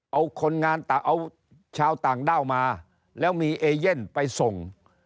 เอาคนงานต่างเอาชาวต่างด้าวมาแล้วมีเอเย่นไปส่ง